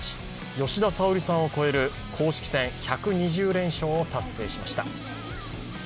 吉田沙保里さんを超える公式戦１２０連勝を達成しました。